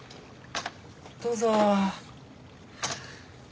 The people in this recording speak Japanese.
どうぞ。